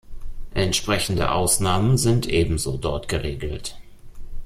Entsprechende Ausnahmen sind ebenso dort geregelt.